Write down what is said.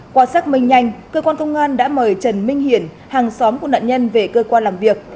qua xác minh nhanh cơ quan công an đã mời trần minh hiển hàng xóm của nạn nhân về cơ quan làm việc